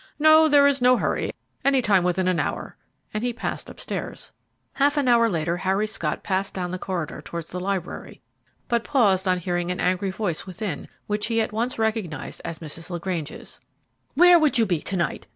"No, there is no hurry; any time within an hour," and he passed up stairs. Half an hour later Harry Scott passed down the corridor towards the library, but paused on hearing an angry voice within, which he at once recognized as Mrs. LaGrange's. "Where would you be to night?"